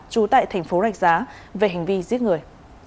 trú tại thành phố rạch giá về hành vi giết người